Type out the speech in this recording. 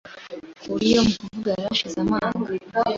Curio mu kuvuga yari ashize amanga!